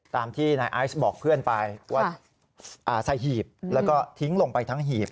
ตามที่นายไอซ์บอกเพื่อนไปว่าใส่หีบแล้วก็ทิ้งลงไปทั้งหีบ